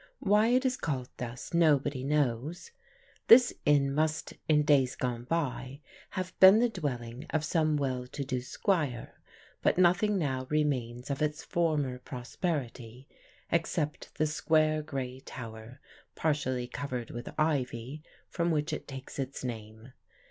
Why it is called thus, nobody knows. This inn must in days gone by have been the dwelling of some well to do squire, but nothing now remains of its former prosperity, except the square grey tower, partially covered with ivy, from which it takes its name.